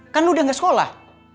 kan lu udah gak sekolah